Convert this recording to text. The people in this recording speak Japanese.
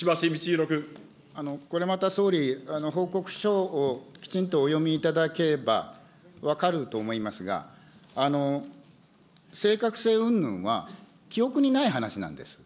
これまた総理、報告書をきちんとお読みいただけば分かると思いますが、正確性うんぬんは記憶にない話なんです。